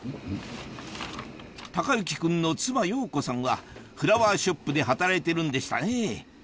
孝之君の妻・洋子さんはフラワーショップで働いてるんでしたねぇ